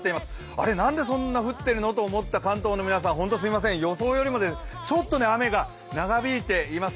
あれ、なんでそんな降ってるの？と思った関東の皆さん、ホントすいません、予想よりもちょっと雨が長引いています。